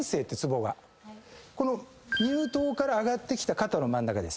乳頭から上がってきた肩の真ん中です。